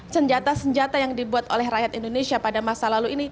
senjata senjata yang dibuat oleh rakyat indonesia pada masa lalu ini